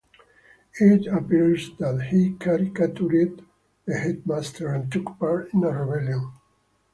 It appears that he caricatured the headmaster, and took part in a rebellion.